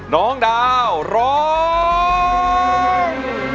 น้องดาวร้อง